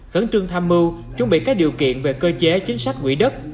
khấn trương tham mưu chuẩn bị các điều kiện về cơ chế chính sách quỹ đất